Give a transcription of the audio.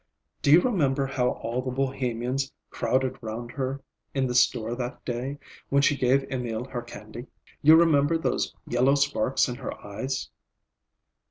Do you remember how all the Bohemians crowded round her in the store that day, when she gave Emil her candy? You remember those yellow sparks in her eyes?"